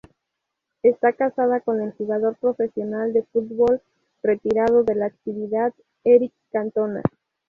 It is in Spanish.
Está casada con el jugador profesional de fútbol retirado de la actividad Éric Cantona.